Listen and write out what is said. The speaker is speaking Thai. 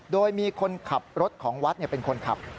โดยมีคนขับรถของวัดเป็นคนขับ